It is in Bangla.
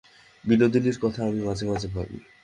বিনোদিনীর কথা আমি মাঝে মাঝে ভাবি।